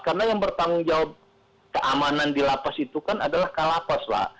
karena yang bertanggung jawab keamanan di lapas itu kan adalah kalapas lah